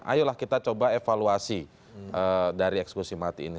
ayolah kita coba evaluasi dari eksekusi mati ini